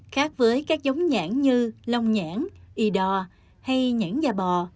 khác với các giống nhãn như lông nhãn y đo hay nhãn da bò